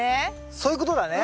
そういうことだね。